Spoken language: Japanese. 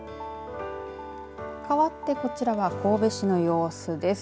かわって、こちらは神戸市の様子です。